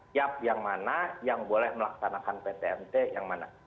siap yang mana yang boleh melaksanakan ptmt yang mana